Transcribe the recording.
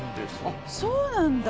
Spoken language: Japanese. あっそうなんだ。